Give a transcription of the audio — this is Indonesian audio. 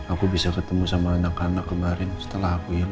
aku bisa ketemu sama anak anak kemarin setelah aku ini